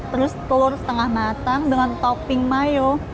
terus telur setengah matang dengan topping mayo